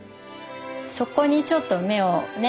そこにちょっと目をね